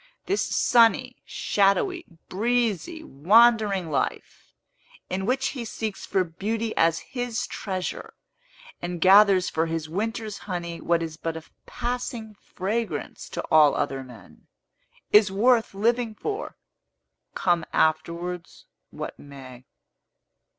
This sunny, shadowy, breezy, wandering life, in which he seeks for beauty as his treasure, and gathers for his winter's honey what is but a passing fragrance to all other men, is worth living for, come afterwards what may.